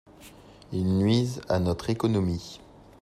Ils nuisent à notre économie.